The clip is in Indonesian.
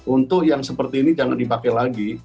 untuk yang seperti ini jangan dipakai lagi